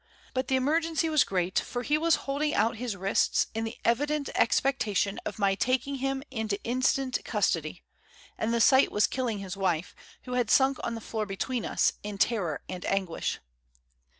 But the emergency was great, for he was holding out his wrists in the evident expectation of my taking him into instant custody; and the sight was killing his wife, who had sunk on the floor between us, in terror and anguish.